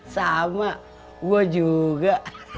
sama gua juga